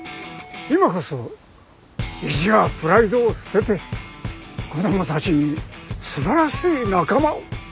今こそ意地やプライドを捨てて子どもたちにすばらしい仲間を。